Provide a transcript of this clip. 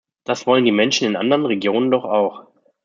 Das wollen die Menschen in anderen Regionen doch auch.